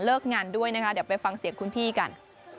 งานด้วยนะคะเดี๋ยวไปฟังเสียงคุณพี่กัน